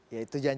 ya itu yang